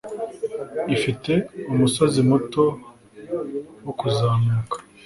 ifite umusozi muto wo kuzamuka.